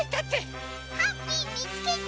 ハッピーみつけた！